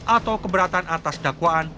atau keberatan atas dakwaan